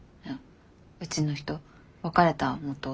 うちの人別れた元夫。